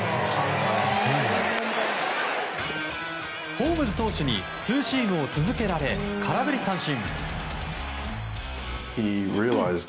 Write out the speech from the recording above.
ホームズ投手にツーシームを続けられ空振り三振。